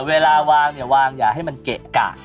เวลาวางเนี่ยวางอย่าให้มันเกะกะ